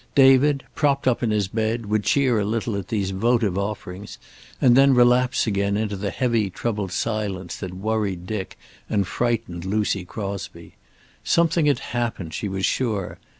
David, propped up in his bed, would cheer a little at these votive offerings, and then relapse again into the heavy troubled silence that worried Dick and frightened Lucy Crosby. Something had happened, she was sure.